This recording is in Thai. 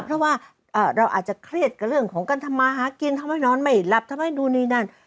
เพราะว่าเราอาจจะเครียดกับเรื่องของการทำมาหากินทำให้นอนไม่หลับทำไมนู่นนี่นั่น